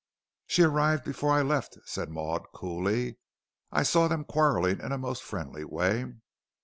"She arrived before I left," said Maud, coolly. "I saw them quarrelling in a most friendly way.